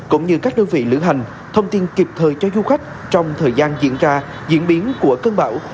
cũng như các đơn vị lữ hành thông tin kịp thời cho du khách trong thời gian diễn ra diễn biến của cơn bão